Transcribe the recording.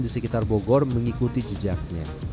di sekitar bogor mengikuti jejaknya